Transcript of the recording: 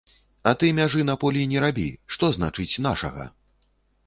А ты мяжы на полі не рабі, што значыць нашага?